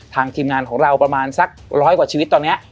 ทีมงานของเราประมาณสักร้อยกว่าชีวิตตอนนี้